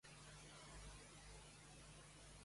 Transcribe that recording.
Què li va causar?